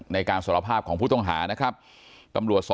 ในการสรภาพของผู้ต้องหานะฮะกรรมบรส